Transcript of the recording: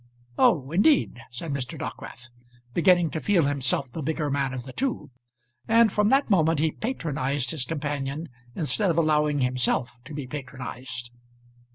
"Oh, indeed," said Mr. Dockwrath, beginning to feel himself the bigger man of the two; and from that moment he patronised his companion instead of allowing himself to be patronised.